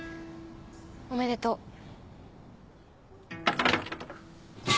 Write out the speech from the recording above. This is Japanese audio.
おめでとう。